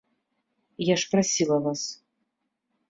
Я ж прасіла вас.